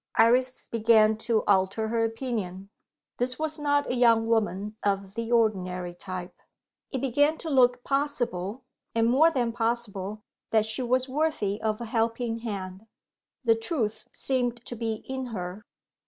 Iris began to alter her opinion. This was not a young woman of the ordinary type. It began to look possible, and more than possible, that she was worthy of a helping hand. The truth seemed to be in her.